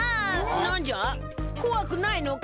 なんじゃこわくないのか？